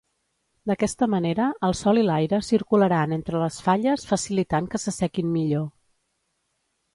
D'aquesta manera el sol i l'aire circularan entre les falles facilitant que s'assequin millor.